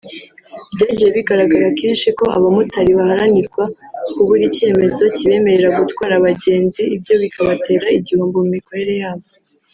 Byagiye bigaragara kenshi ko abamotari bahanirwa kubura icyemezo kibemerera gutwara abagenzi ibyo bikabatera igihombo mu mikorere yabo